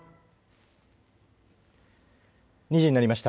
２時になりました。